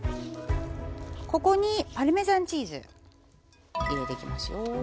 ここにパルメザンチーズ入れていきますよ。